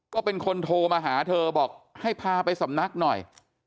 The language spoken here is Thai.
ก็เป็นคนโทรมาหาเธอบอกให้พาไปสำนักหน่อย